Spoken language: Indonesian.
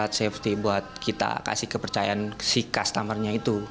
alat safety buat kita kasih kepercayaan si customer nya itu